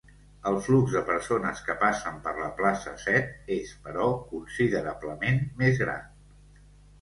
El flux de persones que passen per la Plaça Set és, però, considerablement més gran.